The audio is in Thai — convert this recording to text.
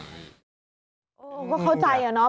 เข้าใจแล้วนะ